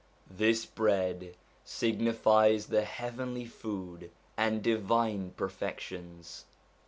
This bread signifies the heavenly food and divine perfections.